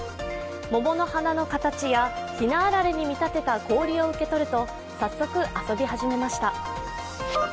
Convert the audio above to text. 桃の花の形や、ひなあられに見立てた氷を受け取ると、早速、遊び始めました。